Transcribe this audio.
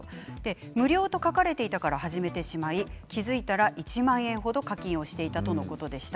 無料と書かれていたから始めてしまい気付いたら１万円程課金をしていたとのことでした。